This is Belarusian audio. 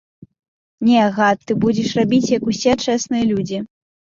Не, гад, ты будзеш рабіць, як усе чэсныя людзі.